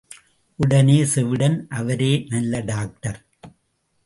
உடனே செவிடன், அவரே நல்ல டாக்டர்.